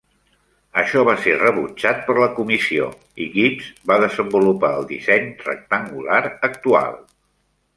Això va ser rebutjat per la comissió, i Gibbs va desenvolupar el disseny rectangular actual.